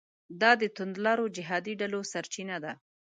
دا د توندلارو جهادي ډلو سرچینه ده.